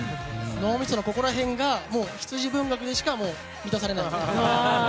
脳みそのここら辺が羊文学でしか満たされない。